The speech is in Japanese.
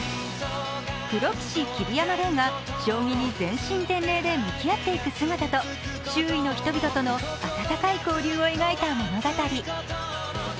プロ棋士・桐山零が将棋に全身全霊で向き合っていく姿と周囲の人々との温かい交流を描いた物語。